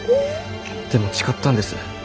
でも誓ったんです。